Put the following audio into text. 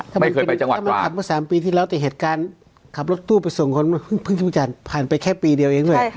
ถ้ามันขับเมื่อ๓ปีที่แล้วแต่เหตุการณ์ขับรถตู้ไปส่งคนเพิ่งรู้จักผ่านไปแค่ปีเดียวเองด้วย